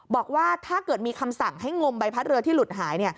บอกว่าถ้าเกิดมีคำสั่งให้งมใบพัดเรือที่หลุดหาย